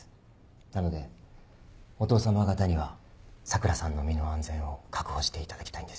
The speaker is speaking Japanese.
なのでお父さま方には咲良さんの身の安全を確保していただきたいんです